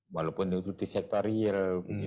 walaupun itu di sektor real